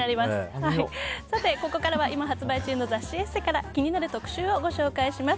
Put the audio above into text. ここからは今発売中の雑誌「ＥＳＳＥ」から気になる特集をご紹介します。